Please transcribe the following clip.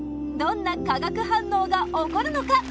どんな化学反応が起こるのか？